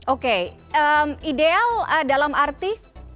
oke ideal dalam arti